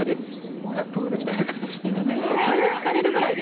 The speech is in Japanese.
もはやプールみたいな感じになってる。